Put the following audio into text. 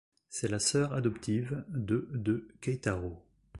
C'est la sœur adoptive de de Keitarō.